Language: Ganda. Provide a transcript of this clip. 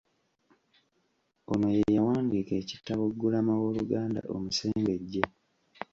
Ono ye yawandiika ekitabo Ggulama w'Oluganda omusengejje